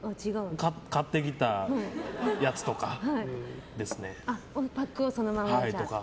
買ってきたやつとかですね。とか。